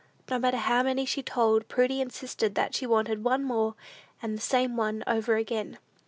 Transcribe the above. No matter how many she told, Prudy insisted that she wanted "one more," and the "same one over again."